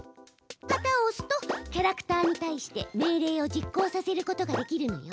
旗をおすとキャラクターにたいして命令を実行させることができるのよ！